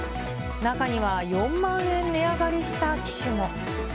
中には４万円値上がりした機種も。